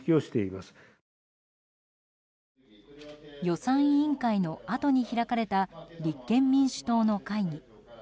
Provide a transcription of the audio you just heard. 予算委員会のあとに開かれた立憲民主党の会議。